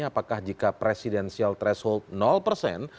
apakah jika presidensial threshold persen